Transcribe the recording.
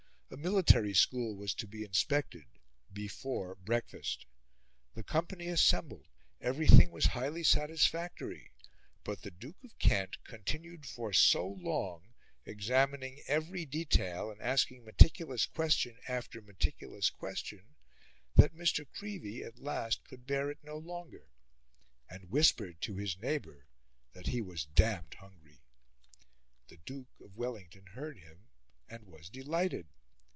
A military school was to be inspected before breakfast. The company assembled; everything was highly satisfactory; but the Duke of Kent continued for so long examining every detail and asking meticulous question after meticulous question, that Mr. Creevey at last could bear it no longer, and whispered to his neighbour that he was damned hungry. The Duke of Wellington heard him, and was delighted.